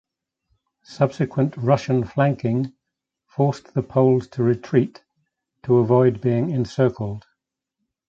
Subsequent Russian flanking forced the Poles to retreat to avoid being encircled.